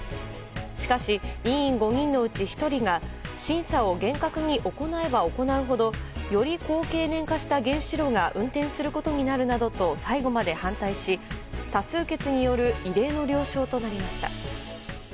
しかし、委員５人のうち１人が審査を厳格に行えば行うほどより高経年化した原子炉が運転することになると最後まで反対し多数決による異例の了承となりました。